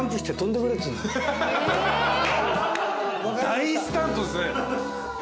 大スタントですね。